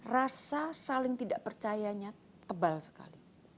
rasa saling tidak percayanya tebal sekali